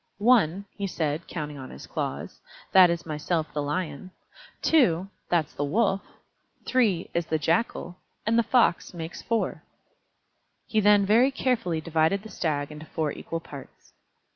"One," he said, counting on his claws, "that is myself the Lion. Two, that's the Wolf, three, is the Jackal, and the Fox makes four." He then very carefully divided the Stag into four equal parts.